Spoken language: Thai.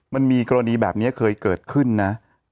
มันมีกรณีแบบนี้เคยเกิดขึ้นนะ